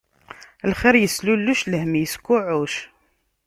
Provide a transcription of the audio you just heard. Lxiṛ islulluc, lhemm iskeɛɛuc.